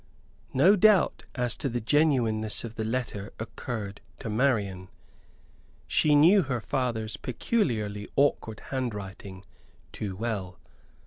No doubt as to the genuineness of the letter occurred to Marian: she knew her father's peculiarly awkward handwriting too well.